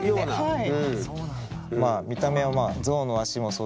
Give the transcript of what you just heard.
はい。